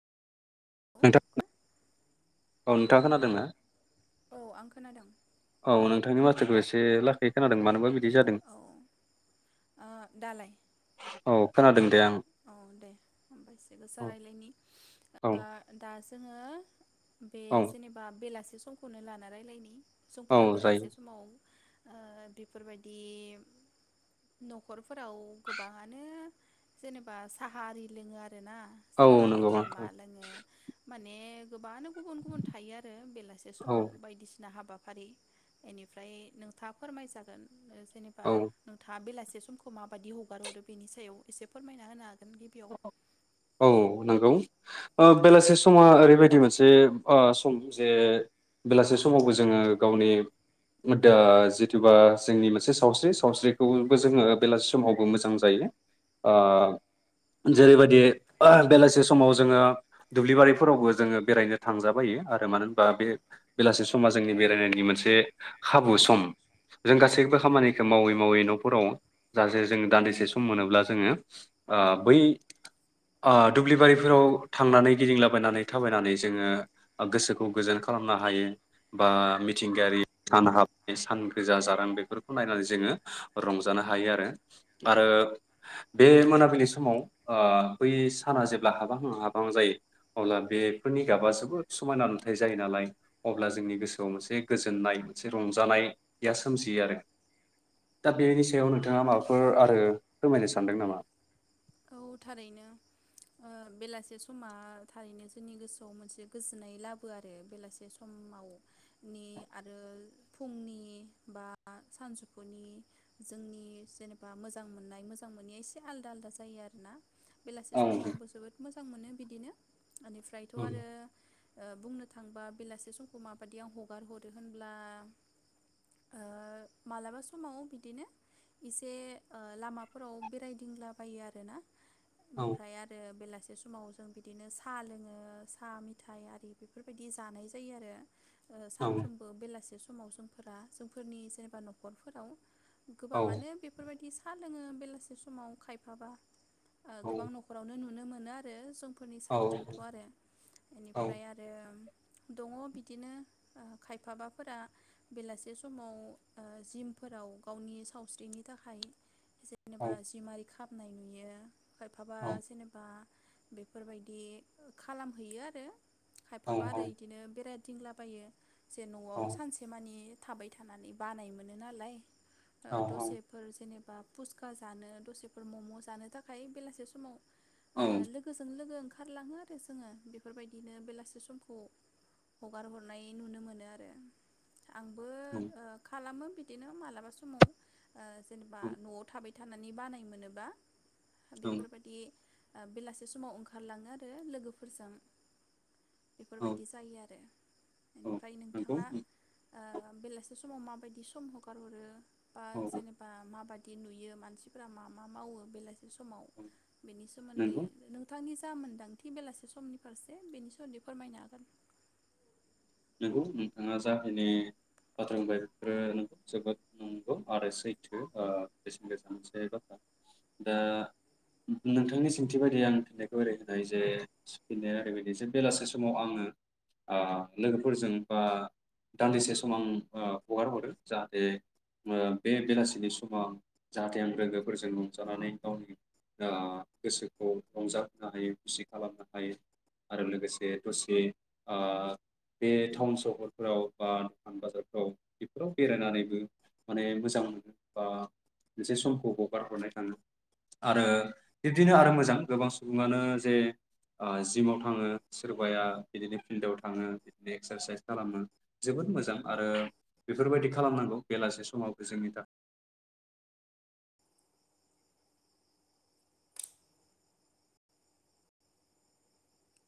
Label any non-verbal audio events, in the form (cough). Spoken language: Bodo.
(unintelligible) औ नोंथाङा खोनादों ना? औ आं खोनादों। औ नोंथांनि माथोखौ एसे लासै खोनादों मानोबा बि बिदि जादों औ ओ दालाय औ। खोना (unintelligible) दों औ दे होमबा एसे गोसा औ रायलायनि औ ओ दा जोङो बे औ जेनेबा बेलासि समखौनो लाना रायज्लायनि औ सुबुंफोरा जायो बेलासे समाव ओ बेफोरबायदि न'खरफोराव गोबाङानो जेनेबा साहा आरि लोङो आरो आरोना औ साहा नंगौ लोङो औ मा लोङो माने गोबाङानो गुबुन गुबुन थायो आरो बेलासे औ समाव बायदिसिना हाबा हाबाफारि बेनिफ्राय नोंथाङा फोरमायजागोन। जेनेबा औ नोंथाङा बेलासे समखौ माबायदि हगार हरो बेनि सायाव एसे फोरमायना होनो हा औ नंगौ। ओ बेलासे समा ओरैबायदि मोनसे ओ सम जे बेलासे समावबो जोङो गावनि जिथुबा जोंनि मोनसे सावस्रि सावस्रिखौबो जोङो बेलासि समावबो मोजां जायो ओ जेरैबायदि ओ बेलासे समाव जोङो दुब्लि बारिफोरावबो जोङो बेरायनो थांजाबायो आरो मानो होनबा बे बेलासे समा जोंनि बेरायनायनि मोनसे खाबु सम जों गासैबो खामानिखौ मावै मावै न'फोराव जाहाथे जों दान्दिसे सम मोनोब्ला जोङो ओ बै ओ दुब्लिबारिफोराव थांनानै गिदिंलाबायनानै थाबायनानै जोङो गोसोखौ गोजोन खालामनो हायो बा मिथिंगायारि सान हाब सान गोजा जारां बेफोरखौ नायनानै जोङो रंजानो हायो आरो आरो बे मोनाबिलि समाव ओ बै साना जेब्ला हाबहां हाबहां जायो अब्ला बेफोरनि गाबा जोबोद समायना नुथाय जायो नालाय अब्ला जोंनि गोसोआव मोनसे गोजोननाय मोनसे रंजानाया सोमजियो आरो दा बेनि सायाव नोंथाङा माबाफोर आरो फोरमायनो सानदों नामा औ थारैनो बेलासे ओ समा थारैनो जोंनि गोसोआव मोनसे गोजोननाय लाबो आरो बेलासे समावनि आरो फुंनि बा सानजौफुनि जोंनि जेनेबा मोजां मोननाय मोजां मोनैया एसे आलदा आलदा जायो आरोना। बेलासि औ समखौ उम आंबो जोबोद मोजां मोनो। बिदिनो एनिफ्रायथ' आरो ओ बुंनो थांबा बेलासे समखौ माबायदि आं हगार हरो होनब्ला ओ मालाबा समाव बिदिनो एसे लामाफोराव बेरायदिंब्ला बायो आरो ना औ ओमफ्राय आरो बेलासि बे समाव जों बिदिनो सा लोङो सा मेथाइ आरि बेफोरबायदि जानाय जायो आरो ओ औ सानफ्रोमबो बेलासे सम समाव जोंफोरा जोंफोरनि जेनेबा न'खरफोराव गोबाङानो बेफोरबायदि स सा लोङो बेलासे समाव खायफ बाबा औ गोबां न'खरावनो नुनोमोन। (inaudible) फोरनि औ साइडथिंथ' आरो औ बेनिफ्राय आरो दङ बिदिनो खायफाबाफोरा बेलासे समाव ओ जिमफोराव गावनि सावस्रिनि थाखाय। औ एसेमारि। खामनाय नुयो खायफाबा जेनेबा बेफोरबायदि खालामहैयो आरो। औ खायफाबा औ आरो इदिनो बेराय थिंलाबायो। जे न'आव सानसे मानि थाबाय थानानै बानाय मोनो नालाय औ औ दसेफोर जेनेबा बा फुसखा जानो दसे फोर मम' जानो थाखाय बेलासे समाव ओ लोगोजों लोगो ओंखार ओंखारलाङो आरो जोङो बेफोरबायदिनो बेलासि समखौ हगार हरनाय नुनो मोनो आरो आंबो औ ओ खालामो बिदिनो मालाबा समाव ओ जेनेबा न'आव थाबाय थ थनानै बानाय मोनोब बा बेफोरबायदि ओ बेलासे समाव ओंखारलाङो आरो लोगोफोरजों बेफोरबायदि जायो आरो बेनिफ्राय नंगौ नोंथाङा ओ बेलासि समाव माबायदि सम हगार हरो बा जेनेबा मा बा बिदि नुयो मानसिफोरा मा मा मावो बेलासि समाव औ बेनि सोमोन्दै नंगौ नोंथांनि जा मोनदांथि बेलासे समनि फारसे बेनि सोमोन्दै फोरमायनो हागोन नंगौ नोंथाङा जाखिनि बाथ्रा बुंबाय बेफोरो नोंगौ जोबोद नंगौ आरो सैथो बेसेन गोसा मोनसे बाथ्रा दा नोंथांनि सोंथि बायदियै आं फिननायखौ ओरै होनाय जे फिननाया ओरैबायदि जे बेलासे समाव आङो आ लोगोफोरजों बा दान्दिसे सम आं हगार हरो जाहाथे बे बेलासिनि समाव जाहाथे आं लोगोफोरजों रंजानानै गावनि गोसोखौ रंजाहोनो हायो खुसि खालामनो हायो आरो लोगोसे दसे आ बे टाउन सहरफोराव बा दखान बाजारफ्राव बेफोराव बेरायनानैबो माने मोजां मोनो बा मोनसे समखौ हगार हरनाय थाङो आरो बिब्दिनो आरो मोजां गोबां सुबुङानो जे जिमाव थाङो सोरबाया बिदिनो फिल्डआव थाङो बिदिनो एक्सारसाइस खालामनो जोबोद मोजां आरो बेफोरबायदि खालामनांगौ बेलासे समाव बे जोंनि थाखाय